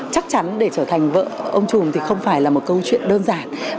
chắc chắn để trở thành vợ ông trùm thì không phải là một câu chuyện đơn giản